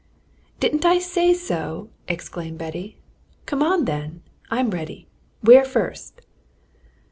"Didn't I say so?" exclaimed Betty. "Come on, then! I'm ready. Where first?"